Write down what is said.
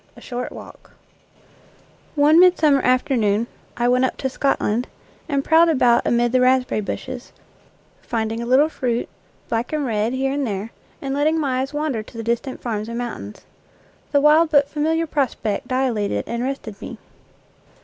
A SHORT WALK One midsummer afternoon I went up to "Scot land " and prowled about amid the raspberry bushes, finding a little fruit, black and red, here and there, and letting my eyes wander to the distant farms and mountains. The wild but familiar prospect dilated and rested me.